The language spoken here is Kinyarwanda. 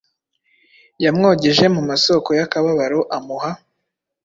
Yamwogeje mu masoko y’akababaro amuha